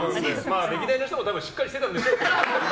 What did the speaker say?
歴代の人も多分しっかりしていたんでしょうけど。